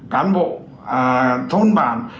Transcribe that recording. cán bộ thôn bản